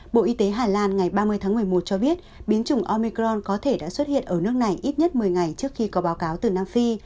bộ y tế hà lan ngày ba mươi tháng một mươi một cho biết biến chủng omicron có thể đã xuất hiện ở nước này ít nhất một mươi ngày trước khi có báo cáo từ nam phi